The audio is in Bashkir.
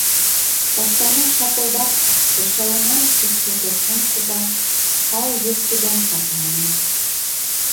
Таштарҙың шапылдап тешәүенән көслө тулҡын ҡуба, һал йөҙтүбән ҡаплана.